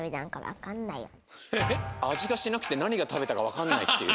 あじがしなくてなにがたべたかわかんないっていう。